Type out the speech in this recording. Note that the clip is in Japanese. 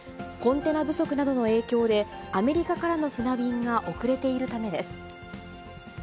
コンテナ不足などの影響で、アメリカからの船便が遅れているためです。